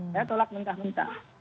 saya tolak mentah mentah